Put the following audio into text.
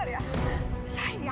ini cukup ya sylvia